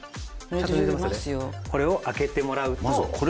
これを開けてもらうと。